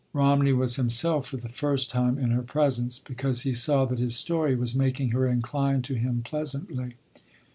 Romney was himself for the first time in her presence because he saw that his story was making her incline to him pleasantly.